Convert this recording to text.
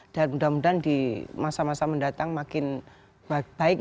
dan mudah mudahan di masa masa mendatang makin baik